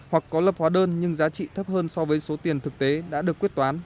hoặc có lập hóa đơn nhưng giá trị thấp hơn so với số tiền thực tế đã được quyết toán